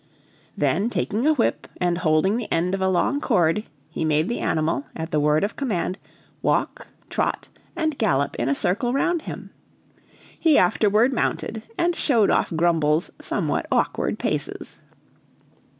Then taking a whip and holding the end of a long cord, he made the animal, at the word of command, walk, trot, and gallop in a circle round him. He afterward mounted, and showed off Grumble's somewhat awkward paces.